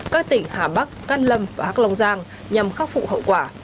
các tỉnh hà bắc căn lâm và hạc long giang nhằm khắc phụ hậu quả